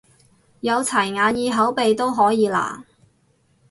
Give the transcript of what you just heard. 有齊眼耳口鼻都可以啦？